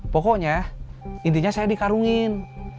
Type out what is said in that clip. pokoknya intinya saya dikarungin